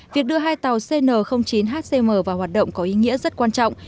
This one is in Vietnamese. việc đưa hai tàu cn chín hcm vào hoạt động có ý nghĩa rất quan trọng